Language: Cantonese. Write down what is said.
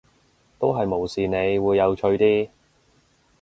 都係無視你會有趣啲